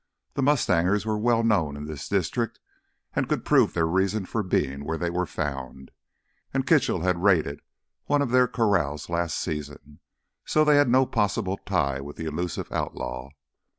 The mustangers were well known in this district and could prove their reason for being where they were found. And Kitchell had raided one of their corrals last season, so they had no possible tie with the elusive outlaw.